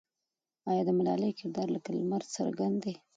آیا د ملالۍ کردار لکه لمر څرګند دی؟